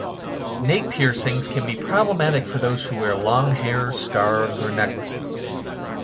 Nape piercings can be problematic for those who wear long hair, scarves, or necklaces.